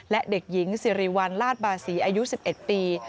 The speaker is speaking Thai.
และเด็กหญิงสิริวัลลาดบาศีอายุ๑๑ปี